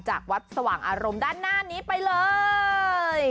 จากวัดสว่างอารมณ์ด้านหน้านี้ไปเลย